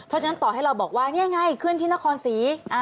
เพราะฉะนั้นต่อให้เราบอกว่านี่ไงขึ้นที่นครศรี